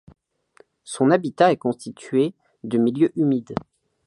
Son habitat est constitué de milieux humides.